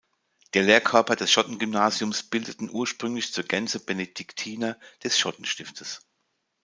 Den Lehrkörper des Schottengymnasiums bildeten ursprünglich zur Gänze Benediktiner des Schottenstiftes.